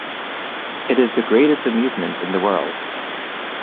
It is the greatest amusement in the world!